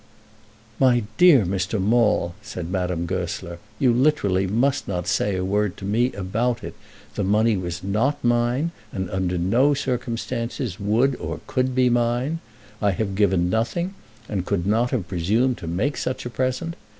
"My dear Mr. Maule," said Madame Goesler, "you literally must not say a word to me about it. The money was not mine, and under no circumstances would or could be mine. I have given nothing, and could not have presumed to make such a present.